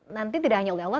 nanti tidak hanya oleh allah